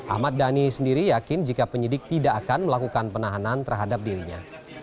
ahmad dhani sendiri yakin jika penyidik tidak akan melakukan penahanan terhadap dirinya